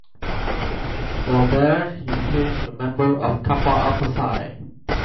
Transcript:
While there he became a member of Kappa Alpha Psi.